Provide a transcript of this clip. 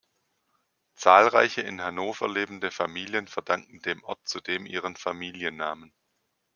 Zahlreiche in Hannover lebende Familien verdanken dem Ort zudem ihren Familiennamen.